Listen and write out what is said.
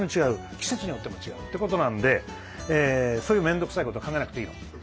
季節によっても違うってことなんでそういう面倒くさいことは考えなくていいと。